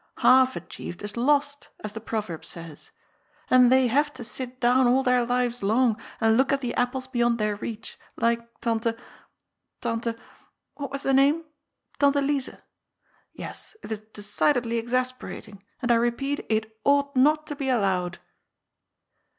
' Half achieved is lost/ as the proverb says. And they have to sit down all their lives long and look at the apples beyond their reach, like Tante — ^Tante — ^what was the name? — Tante Lize. Yes, it is decidedly exasperating, and I repeat, it ought not to be allowed."